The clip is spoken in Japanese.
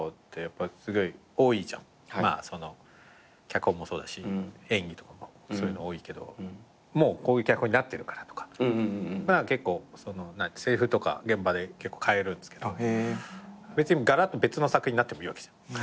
脚本もそうだし演技とかもそういうの多いけどもうこういう脚本になってるからとか結構せりふとか現場で変えるんですけど別にがらっと別の作品になってもいいわけじゃん